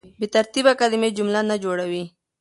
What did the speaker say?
بې ترتیبه کلیمې جمله نه جوړوي.